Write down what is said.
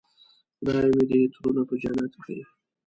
خدای مې دې ترونه په جنت کړي.